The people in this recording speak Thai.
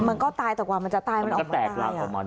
มันก็ตายแต่ว่ามันจะตายมันก็แตกรักออกมาด้วย